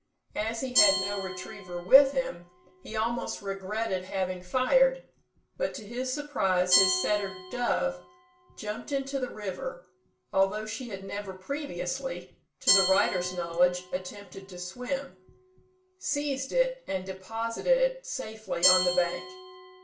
As he had no retriever with him, he almost regretted having fired; but, to his surprise, his setter, Dove, jumped into the river, although she had never previously (to the writer's knowledge), attempted to swim, seized it, and deposited it safely on the bank.